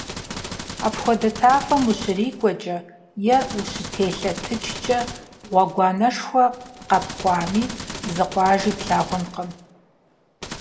Апхуэдэ тафэм ущрикӀуэкӀэ е ущытелъэтыкӀкӀэ, гъуэгуанэшхуэ къэпкӀуами, зы къуажи плъагъункъым.